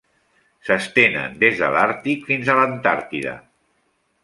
S'estenen des de l'Àrtic fins a l'Antàrtida.